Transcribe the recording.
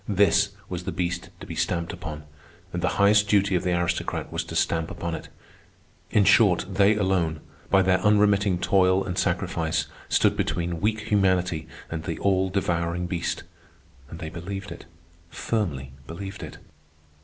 This was the beast to be stamped upon, and the highest duty of the aristocrat was to stamp upon it. In short, they alone, by their unremitting toil and sacrifice, stood between weak humanity and the all devouring beast; and they believed it, firmly believed it.